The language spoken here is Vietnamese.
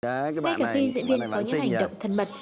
ngay cả khi diễn viên có chuỗi hành động thân mật